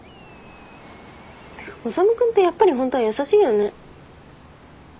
修君ってやっぱりホントは優しいよね。